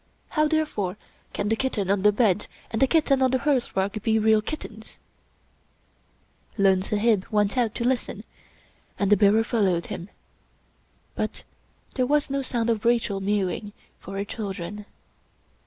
How, therefore, can the kitten on the bed and the kitten on the hearthrug be real kittens ?" Lone Sahib went out to listen, and the bearer followed him, but there was no sound of Rachel mewing for her children.